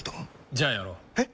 じゃあやろう。え？